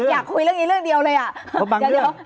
อยากคุยเรื่องนี้เรื่องเดียวเลยอ่ะเดี๋ยว